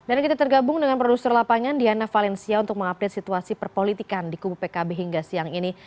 dan kita tergabung dengan produser lapangan diana valencia untuk mengupdate situasi perpolitikan di kubu pkb hingga siang ini